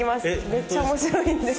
めっちゃ面白いんで。